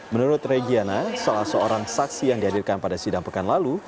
menurut regiana salah seorang saksi yang dihadirkan pada sidang pekan lalu